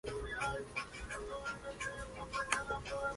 La siguiente temporada la empezó en el filial, el Real Madrid Castilla.